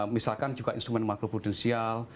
misalkan juga instrumen makroprudensial